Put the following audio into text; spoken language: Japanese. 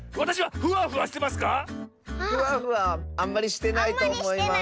フワフワあんまりしてないとおもいます。